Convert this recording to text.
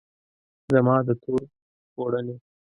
زما د تور پوړنې